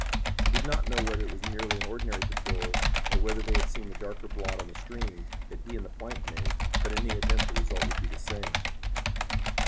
He did not know whether it was merely an ordinary patrol, or whether they had seen the darker blot on the stream that he and the plank made, but in any event the result would be the same.